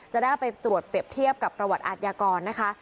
จะได้เอาไปตรวจเปรียบเทียบกับประวัติอาทยากรนะคะ